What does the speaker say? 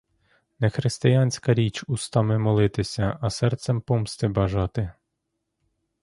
Не християнська річ устами молитися, а серцем помсти бажати.